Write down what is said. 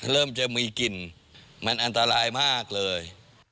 เริ่มจะมีกลิ่นมันอันตรายมากเลย